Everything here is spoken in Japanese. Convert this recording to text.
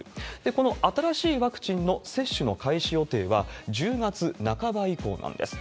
この新しいワクチンの接種の開始予定は１０月半ば以降なんです。